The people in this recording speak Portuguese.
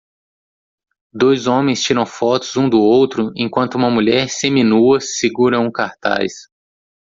Dois homens tiram fotos um do outro enquanto uma mulher seminua segura um cartaz